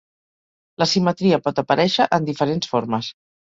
La simetria pot aparèixer en diferents formes.